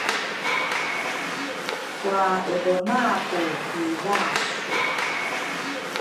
kuaelemaku ki lasu.